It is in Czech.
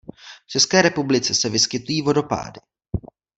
V České republice se vyskytují vodopády.